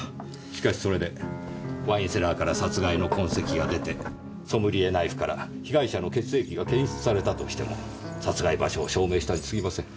しかしそれでワインセラーから殺害の痕跡が出てソムリエナイフから被害者の血液が検出されたとしても殺害場所を証明したに過ぎません。